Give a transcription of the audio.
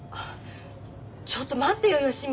ちょっと待ってよ芳美。